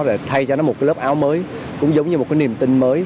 để thay cho nó một cái lớp áo mới cũng giống như một cái niềm tin mới